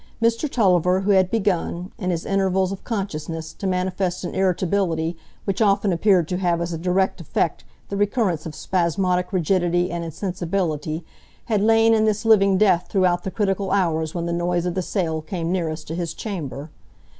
Mr Tulliver, who had begun, in his intervals of consciousness, to manifest an irritability which often appeared to have as a direct effect the recurrence of spasmodic rigidity and insensibility, had lain in this living death throughout the critical hours when the noise of the sale came nearest to his chamber.